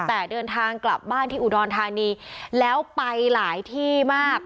แต่เดินทางกลับบ้านที่อุดรธานีแล้วไปหลายที่มาก